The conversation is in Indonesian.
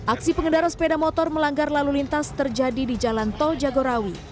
aksi pengendara sepeda motor melanggar lalu lintas terjadi di jalan tol jagorawi